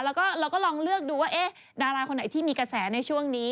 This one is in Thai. แล้วก็เราก็ลองเลือกดูว่าดาราคนไหนที่มีกระแสในช่วงนี้